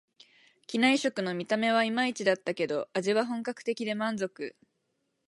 機内食の見た目はいまいちだったけど、味は本格的で満足